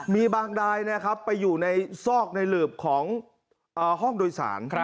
มีบางรายไปอยู่ในซอกในหลืบของห้องโดยสาร